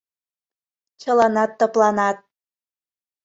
Чыланат тыпланат.